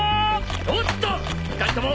おっと２人とも！